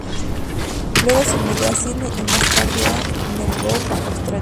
Luego se mudó a Sídney y más tarde a Melbourne, Australia.